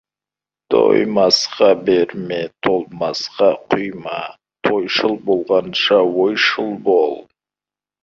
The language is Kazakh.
Тоймасқа берме, толмасқа құйма, тойшыл болғанша, ойшыл бол.